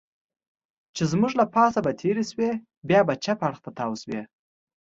چې زموږ له پاسه به تېرې شوې، بیا به چپ اړخ ته تاو شوې.